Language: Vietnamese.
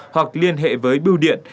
hoặc liên hệ với biêu điện